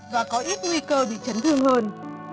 và có ít nguy cơ bị chấn thương hơn